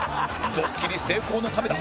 ドッキリ成功のためだ！